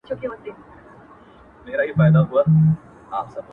• لا په منځ كي به زگېروى كله شپېلكى سو ,